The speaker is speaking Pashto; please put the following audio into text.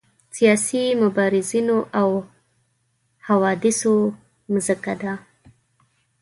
سیاسي مبارزینو او حوادثو مځکه ده.